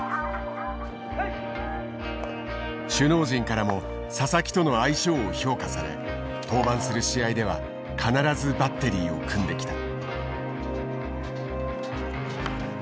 首脳陣からも佐々木との相性を評価され登板する試合では必ずバッテリーを組んできた。